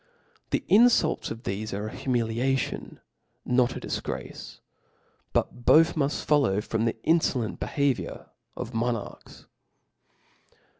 The infultsf of thefe aire a humiliaticfn, not ^ difgrace ,, but both muft follow from the infcilenC behaviour of monafchs.